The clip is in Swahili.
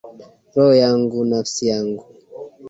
Roho yangu nafsi yangu.